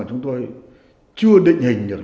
chúng tôi chưa định hình được